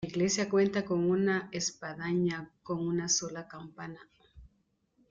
La iglesia cuenta con una espadaña con una sola campana.